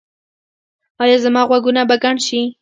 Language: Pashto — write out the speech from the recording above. ایا زما غوږونه به کڼ شي؟